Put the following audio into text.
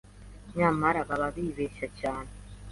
nyamara baba bibeshya cyane